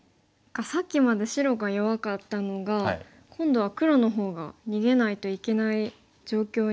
さっきまで白が弱かったのが今度は黒の方が逃げないといけない状況に見えますね。